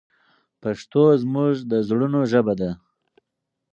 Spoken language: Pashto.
پښتو زموږ د زړونو ژبه ده.